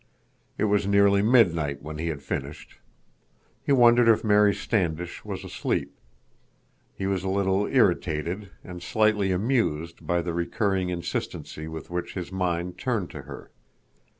It was nearly midnight when he had finished. He wondered if Mary Standish was asleep. He was a little irritated, and slightly amused, by the recurring insistency with which his mind turned to her.